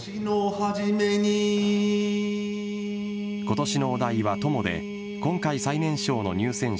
今年のお題は「友」で今回最年少の入選者